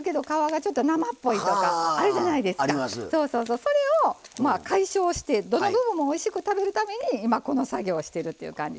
それを解消してどの部分もおいしく食べるために今この作業をしてるっていう感じですね。